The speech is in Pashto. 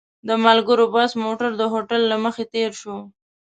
د ملګرو بس موټر د هوټل له مخې تېر شو.